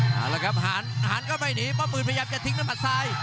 เอาละครับหารก็ไม่หนีป้าหมื่นพยายามจะทิ้งด้วยหมัดซ้าย